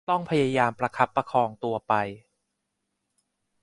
ต้องพยายามประคับประคองตัวไป